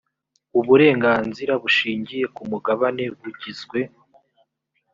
uburenganzira bushingiye ku mugabane bugizwe